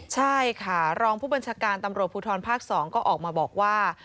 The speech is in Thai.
ใช่ค่ะรองผู้บัญชาการตำรวจภูทรภาค๒ก็ออกมาบอกว่า